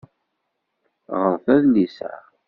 Ɣṛet adlis-a.